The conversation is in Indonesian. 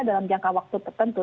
dalam jangka waktu tertentu